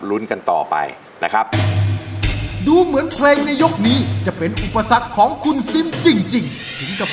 รุ้นกันต่อไปนะครับ